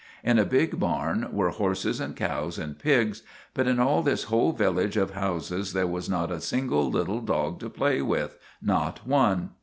In a big barn were horses and cows and pigs; but in all this whole village of houses there was not a single little dog to play with not one.